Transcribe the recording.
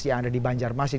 yang ada di banjarmasin